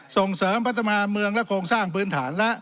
ส่งเสริมพัฒนาเมืองและโครงสร้างพื้นฐานละ